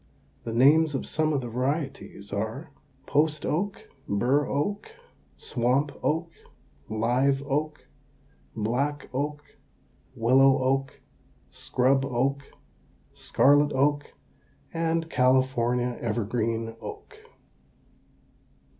The names of some of the varieties are: Post oak, burr oak, swamp oak, live oak, black oak, willow oak, scrub oak, scarlet oak, and California evergreen oak.